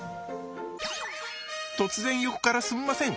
突然横からすんません。